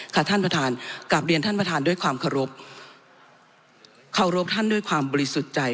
ท่านประธานกลับเรียนท่านประธานด้วยความเคารพเคารพท่านด้วยความบริสุทธิ์ใจ